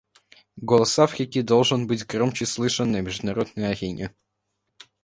Голос Африки должен быть громче слышан на международной арене.